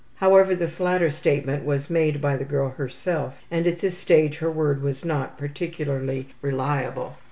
However, this latter statement was made by the girl herself and at this stage her word was not particularly reliable.